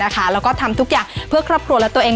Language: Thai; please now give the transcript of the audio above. แล้วก็ทำทุกอย่างเพื่อครอบครัวและตัวเอง